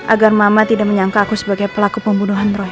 agar mama tidak menyangka aku sebagai pelaku pembunuhan roy